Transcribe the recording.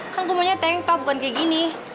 kan gue maunya tank top bukan kayak gini